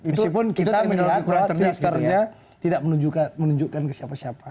meskipun kita menolak bahwa twitternya tidak menunjukkan ke siapa siapa